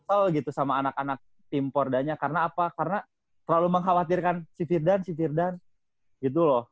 sel gitu sama anak anak tim pordanya karena apa karena terlalu mengkhawatirkan si firdan si firdan gitu loh